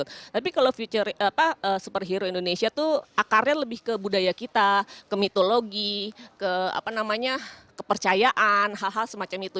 tapi kalau future apa superhero indonesia itu akarnya lebih ke budaya kita ke mitologi ke apa namanya kepercayaan hal hal semacam itu